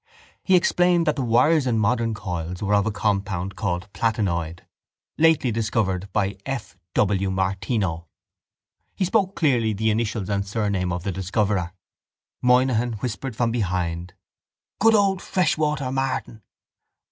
He explained that the wires in modern coils were of a compound called platinoid lately discovered by F. W. Martino. He spoke clearly the initials and surname of the discoverer. Moynihan whispered from behind: —Good old Fresh Water Martin!